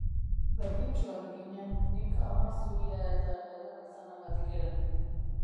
Berdintsuak ginen, nik ama zuria eta ederra izanagatik ere.